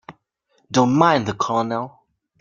Don't mind the Colonel.